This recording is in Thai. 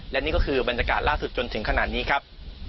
และนี่ก็คือบรรยากาศล่าสุดจนถึงขนาดนี้ครับ